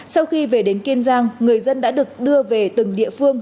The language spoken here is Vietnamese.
sau khi về đến kiên giang người dân đã được đưa về từng địa phương